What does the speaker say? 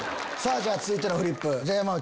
じゃあ続いてのフリップ山内。